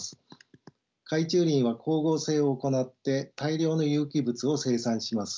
海中林は光合成を行って大量の有機物を生産します。